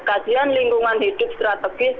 kajian lingkungan hidup strategis